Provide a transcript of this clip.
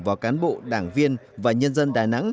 vào cán bộ đảng viên và nhân dân đà nẵng